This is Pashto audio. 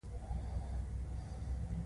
زه د وړې کوټې بر کونج ته ورسېدم.